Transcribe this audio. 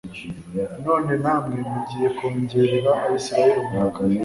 None namwe mugiye kongerera Abisirayei uburakari